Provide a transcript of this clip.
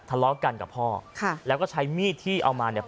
ทะเลาะกันกับพ่อค่ะแล้วก็ใช้มีดที่เอามาเนี่ย